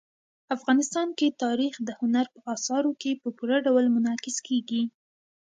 افغانستان کې تاریخ د هنر په اثارو کې په پوره ډول منعکس کېږي.